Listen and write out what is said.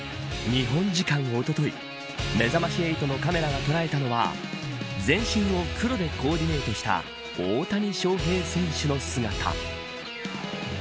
日本時間おとといめざまし８のカメラが捉えたのは全身を黒でコーディネートした大谷翔平選手の姿。